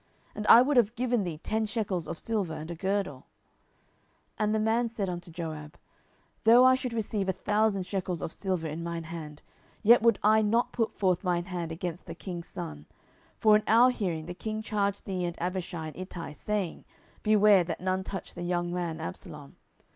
and I would have given thee ten shekels of silver, and a girdle. 10:018:012 And the man said unto Joab, Though I should receive a thousand shekels of silver in mine hand, yet would I not put forth mine hand against the king's son: for in our hearing the king charged thee and Abishai and Ittai, saying, Beware that none touch the young man Absalom.